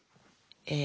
え